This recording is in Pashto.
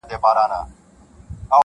یا شریک دي د ناولو یا پخپله دي ناولي-